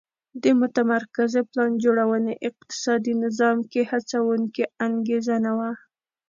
د متمرکزې پلان جوړونې اقتصادي نظام کې هڅوونکې انګېزه نه وه